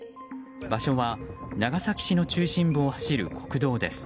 場所は長崎市の中心部を走る国道です。